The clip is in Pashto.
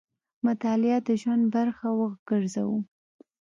مطالعه د ژوند برخه وګرځوو.